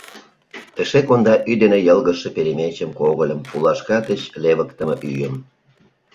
Эше конда ӱй дене йылгыжше перемечым, когыльым, пулашка тич левыктыме ӱйым.